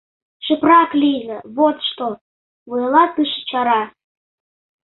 — Шыпрак лийза, вот што! — вуйлатыше чара.